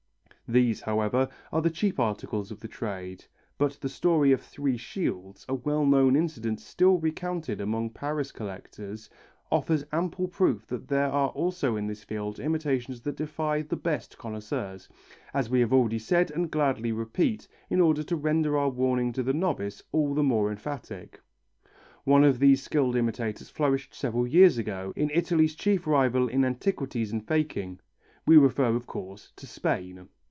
These, however, are the cheap articles of the trade; but the story of three shields, a well known incident still recounted among Paris collectors, offers ample proof that there are also in this field imitations that defy the best connoisseurs, as we have already said, and gladly repeat, in order to render our warning to the novice all the more emphatic. One of these skilled imitators flourished several years ago in Italy's chief rival in antiquities and faking. We refer, of course, to Spain.